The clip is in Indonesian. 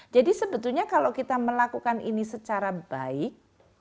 jadi sebetulnya kalau kita melakukan ini secara baik